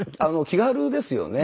気軽ですよね。